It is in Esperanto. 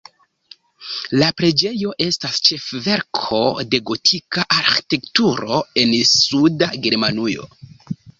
La preĝejo estas ĉefverko de gotika arĥitekturo en suda Germanujo.